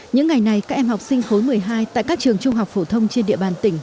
những ngày này các em học sinh khối một mươi hai tại các trường trung học phổ thông trên địa bàn tỉnh